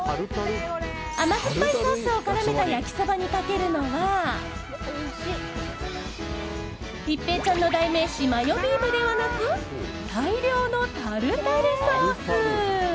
甘酸っぱいソースを絡めた焼きそばにかけるのは一平ちゃんの代名詞マヨビームではなく大量のタルタルソース！